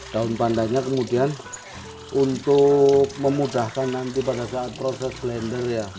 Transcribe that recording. daun pandannya kemudian untuk memudahkan nanti pada saat proses blender ya